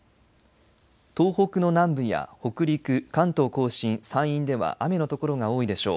東北の南部や北陸、関東甲信山陰では雨のところが多いでしょう。